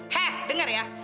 heh denger ya